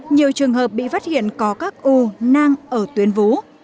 nhiều trường hợp bị phát hiện có các u nang ở tuyến vú